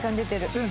先生！